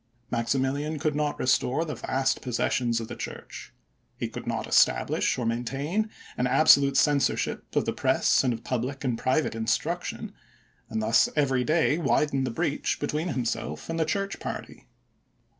Maximilian could not restore the vast possessions of the Church. He could not establish or maintain an absolute censorship of the press and of public and private instruction; and thus every day widened the breach between himself and the Church party.